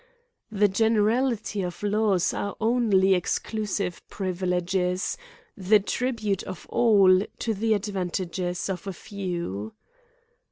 The generality of laws are only exclusive privileges, the tribute of all to the advantages of a few.